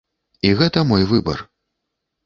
І гэта мой выбар.